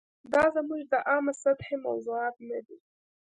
دا زموږ د عامه سطحې موضوعات نه دي.